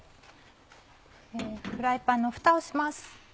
フライパンのふたをします。